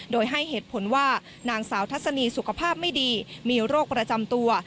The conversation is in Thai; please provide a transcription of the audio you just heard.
โดยให้เหตุผลว่านางสาวทัศนีสุขภาพไม่ดีมีโรคประจำตัว